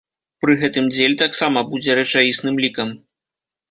Пры гэтым дзель таксама будзе рэчаісным лікам.